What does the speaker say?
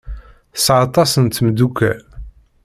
Tesɛa aṭas n tmeddukal.